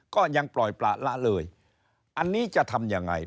ก็ยังปล่อยประละเลยอันนี้จะทำยังไง